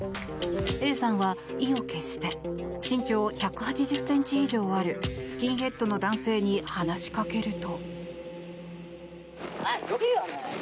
Ａさんは意を決して身長１８０ｃｍ以上あるスキンヘッドの男性に話しかけると。